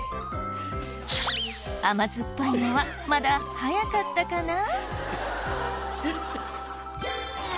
甘酸っぱいのはまだ早かったかな？